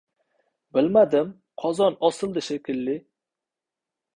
— Bilmadim, qozon osildi shekilli.